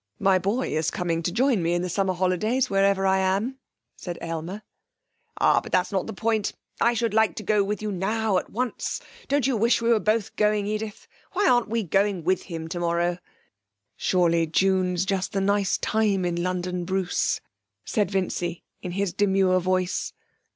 My boy is coming to join me in the summer holidays, wherever I am,' said Aylmer. 'Ah, but that's not the point. I should like to go with you now at once. Don't you wish we were both going, Edith? Why aren't we going with him tomorrow?' 'Surely June's just the nice time in London, Bruce,' said Vincy, in his demure voice.